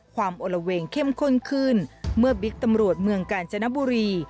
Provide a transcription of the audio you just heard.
โอละเวงเข้มข้นขึ้นเมื่อบิ๊กตำรวจเมืองกาญจนบุรี